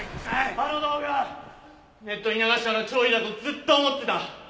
あの動画ネットに流したのは張怡だとずっと思ってた。